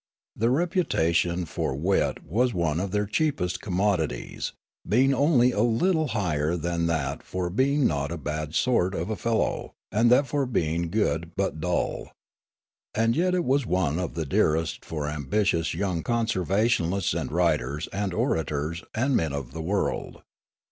The reputation for wit was one of their cheapest commodities, being only a little higher than that for being not a bad sort of a fellow and that for being good but dull. And yet it was one of the dearest for ambitious young convers ationalists and writers and orators and men of the world.